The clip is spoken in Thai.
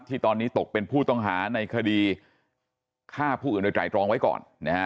ที่ตอนนี้ตกเป็นผู้ต้องหาในคดีฆ่าผู้อื่นโดยไตรรองไว้ก่อน